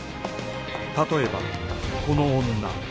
例えばこの女